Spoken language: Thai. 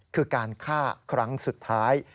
คือการฆ่าครั้งสุดท้าย